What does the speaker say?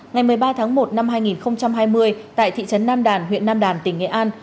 ngày một mươi ba tháng một năm hai nghìn hai mươi tại thị trấn nam đàn huyện nam đàn tỉnh nghệ an